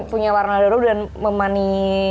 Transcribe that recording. punya warna baru dan memani